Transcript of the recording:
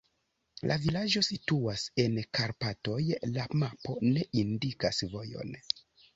La vilaĝo situas en Karpatoj, la mapo ne indikas vojon.